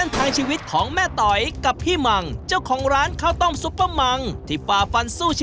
เอาทั้ง๓ไข่เอาไปไว้ในช้อนเดียวกันไปเลยจ้ะ